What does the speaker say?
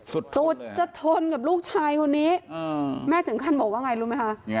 สุดสุดจะทนกับลูกชายคนนี้แม่ถึงขั้นบอกว่าไงรู้ไหมคะ